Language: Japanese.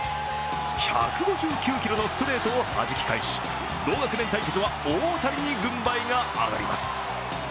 １５９キロのストレートを弾き返し同学年対決は大谷に軍配が上がります。